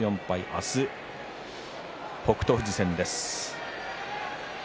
明日は北勝富士戦です。